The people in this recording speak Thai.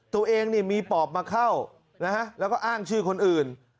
ตัวเองมีปอบมาเข้าแล้วก็อ้างชื่อคนอื่น